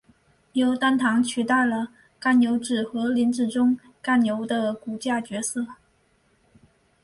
由单糖取代了甘油酯和磷脂中甘油的骨架角色。